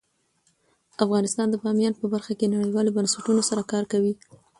افغانستان د بامیان په برخه کې نړیوالو بنسټونو سره کار کوي.